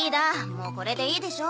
もうこれでいいでしょ。